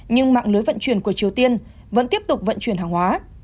nhưng mạng lưới vận chuyển của triều tiên vẫn tiếp tục vận chuyển hàng hóa